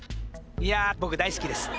いや僕大好きです